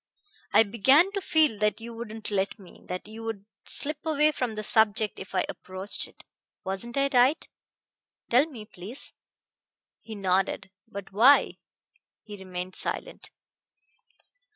I began to feel that you wouldn't let me, that you would slip away from the subject if I approached it. Wasn't I right? Tell me, please." He nodded. "But why?" He remained silent.